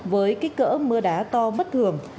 với kích cỡ mưa đá to bất thường